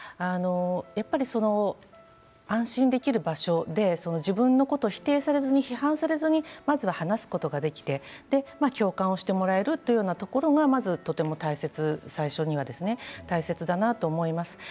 やっぱり安心できる場所で自分のことを否定されずに批判されずにまずは話すことができて共感してもらえるというところがまずとても最初には大切だなと思います。